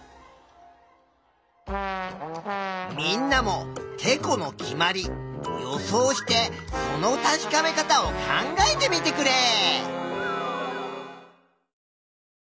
みんなも「てこの決まり」予想してその確かめ方を考えてみてくれ。